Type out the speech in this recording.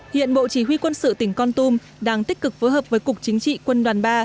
hiện bộ chỉ huy quân sự tỉnh con tum đang tích cực phối hợp với cục chính trị quân đoàn ba